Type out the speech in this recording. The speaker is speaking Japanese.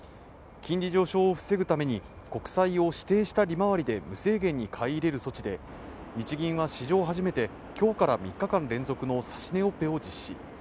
金利上昇を防ぐために国債を指定した利回りで無制限に買い入れる措置で日銀は史上初めて今日から３日間連続の指し値オペを実施。